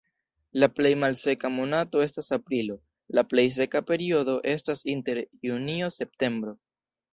La plej malseka monato estas aprilo, la plej seka periodo estas inter junio-septembro.